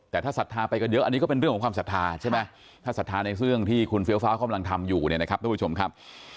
แต่ถ้าศรัทธาไปกันเยอะอันนี้ก็เป็นเรื่องของความศรัทธาใช่ไหมถ้าศรัทธาในเรื่องที่คุณเฟี้ยวฟ้ากำลังทำอยู่เนี่ยนะครับทุกผู้ชมครับ